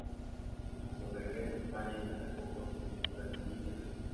A su regreso a España destacó por su escultura civil y religiosa.